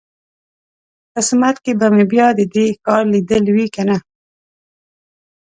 قسمت کې به مې بیا د دې ښار لیدل وي کنه.